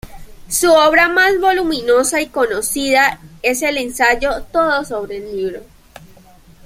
Su obra más voluminosa y conocida es el ensayo "Todo sobre el libro.